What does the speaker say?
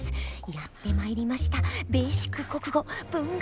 やって参りました「ベーシック国語」文学史回。